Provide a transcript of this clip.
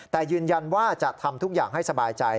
แต่ยืนยันว่าจะทำทุกอย่างให้สบายใจ